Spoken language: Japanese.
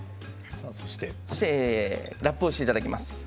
そしてラップをしていただきます。